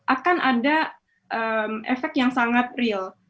akan ada efek yang sangat real